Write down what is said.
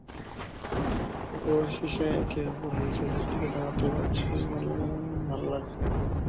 অবশেষে একে ওপরের চোখের দিকে তাকাতে পারছি বলে ভালো লাগছে!